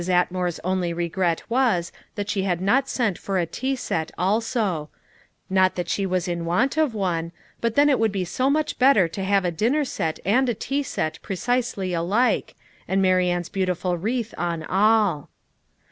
Atmore's only regret was, that she had not sent for a tea set also; not that she was in want of one, but then it would be so much better to have a dinner set and a tea set precisely alike, and Marianne's beautiful wreath on all.